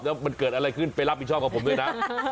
แล้วมันเกิดอะไรขึ้นไปรับผิดชอบกับผมเลยนะ